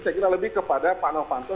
saya kira lebih kepada pak novanto